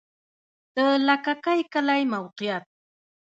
د لکه کی کلی موقعیت